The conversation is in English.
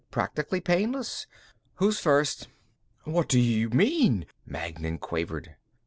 "Practically painless. Who's first?" "What do you mean?" Magnan quavered.